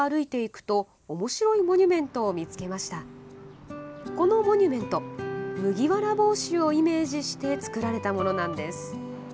このモニュメント麦わら帽子をイメージして造られたものなんです。